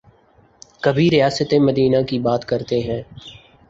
کبھی ریاست مدینہ کی بات کرتے ہیں۔